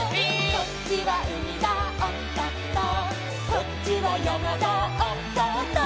「こっちはうみだおっとっと」「こっちはやまだおっとっと」